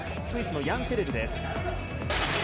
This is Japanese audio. スイスのヤン・シェレルです。